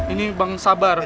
ini bang sabar